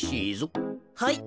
はい。